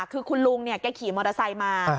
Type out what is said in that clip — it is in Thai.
คือคุณลุงเนี่ยเขาขี่มอเตอร์ไซค์มา